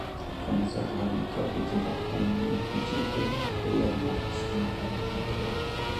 ikomeza guhanika kugera ku mivugirwe ya ya nyajwi